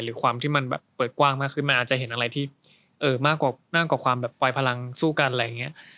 ความที่มันแบบเปิดกว้างมากขึ้นมันอาจจะเห็นอะไรที่มากกว่าความแบบปล่อยพลังสู้กันอะไรอย่างนี้